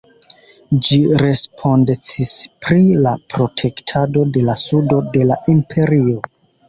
Ĝi respondecis pri la protektado de la sudo de la Imperio.